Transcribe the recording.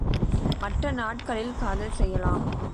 மற்ற நாட்களில் காதல் செய்யலாம்.